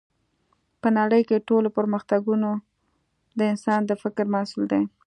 په نړۍ کې ټول پرمختګونه د انسان د فکر محصول دی